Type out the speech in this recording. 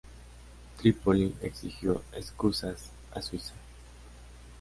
Trípoli exigió "excusas" a Suiza.